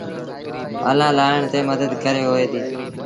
آنآ لآهڻ ريٚ مند ڪهڙيٚ هوئي ديٚ۔